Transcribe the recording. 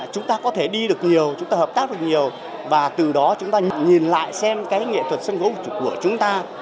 chúng ta có thể đi được nhiều chúng ta hợp tác được nhiều và từ đó chúng ta nhìn lại xem cái nghệ thuật sân khấu của chúng ta